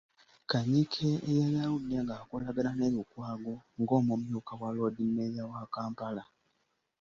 Kanyike eyali aludde ng’akolagana ne Lukwago ng’omumyuka wa Loodimmeeya wa Kampala.